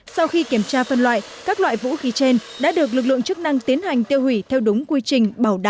sau khi kiểm tra phân loại các loại vũ khí trên đã được lực lượng chức năng tiến hành tiêu hủy theo đúng quy trình bảo đảm